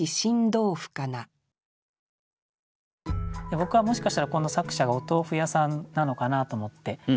僕はもしかしたらこの作者がお豆腐屋さんなのかなと思って。